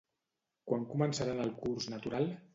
Quan començaran el curs natural?